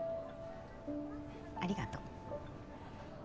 ありがとう。